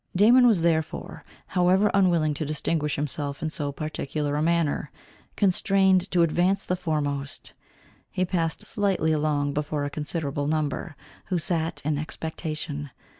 Damon was therefore, however unwilling to distinguish himself in so particular a manner, constrained to advance the foremost. He passed slightly along before a considerable number, who sat in expectation.